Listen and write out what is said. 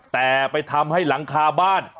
แต่ไปทำให้หลังคาบ้าน